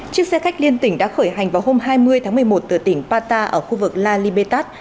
chiếc xe khách liên tỉnh đã khởi hành vào hôm hai mươi tháng một mươi một từ tỉnh pata ở khu vực la liberta